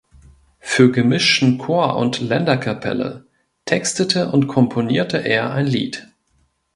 Für gemischten Chor und Ländlerkapelle textete und komponierte er ein Lied.